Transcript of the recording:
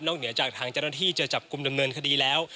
เหนือจากทางเจ้าหน้าที่จะจับกลุ่มดำเนินคดีแล้ว